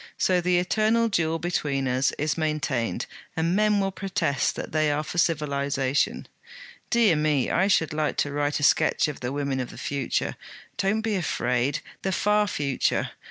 'So the eternal duel between us is maintained, and men will protest that they are for civilization. Dear me, I should like to write a sketch of the women of the future don't be afraid! the far future.